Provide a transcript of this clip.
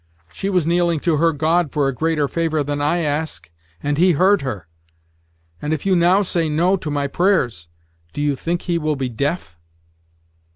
She was kneeling to her God for a greater favor than I ask, and he heard her; and if you now say no to my prayers, do you think he will be deaf?"